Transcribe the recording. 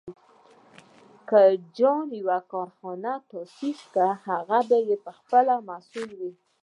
که جان يو کارخونه تاسيس کړه، نو هغه به یې پهخپله مسوول و.